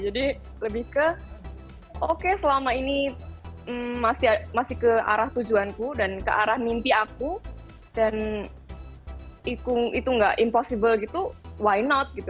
jadi lebih ke oke selama ini masih ke arah tujuanku dan ke arah mimpi aku dan itu nggak impossible gitu why not